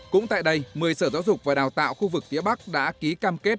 cũng tại đây một mươi sở giáo dục và đào tạo khu vực phía bắc đã ký cam kết